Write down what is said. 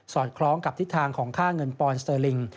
คล้องกับทิศทางของค่าเงินปอนสเตอร์ลิง